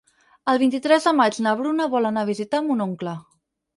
El vint-i-tres de maig na Bruna vol anar a visitar mon oncle.